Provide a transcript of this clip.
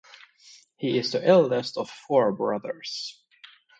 He is the eldest of four brothers.